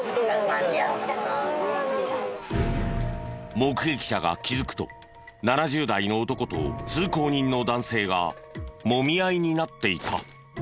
目撃者が気づくと７０代の男と通行人の男性がもみ合いになっていた。